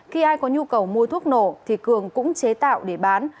khi ai có nhu cầu mua thuốc nổ thì cường cũng chế tạo để bán